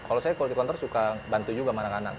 kalau saya quality counter suka bantu juga sama anak anak